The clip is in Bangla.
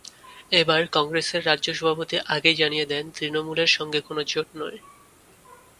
এবার কংগ্রেসের রাজ্য সভাপতি আগেই জানিয়ে দেন, তৃণমূলের সঙ্গে কোনো জোট নয়।